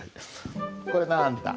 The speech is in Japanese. これなんだ？